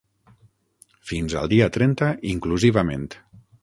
Fins al dia trenta inclusivament.